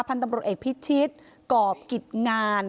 พันธ์ตำรวจเอกพิจิตรกรกิจงาน